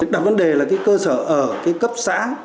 đặt vấn đề là cái cơ sở ở cái cấp xã